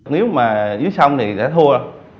nếu mà dưới sông thì đã thua